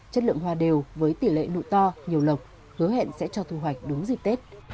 chất lượng hoa đều với tỷ lệ nụ to nhiều lọc hứa hẹn sẽ cho thu hoạch đúng dịp tết